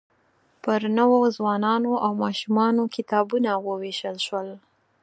پر نوو ځوانانو او ماشومانو کتابونه ووېشل شول.